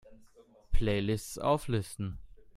Playlists auflisten!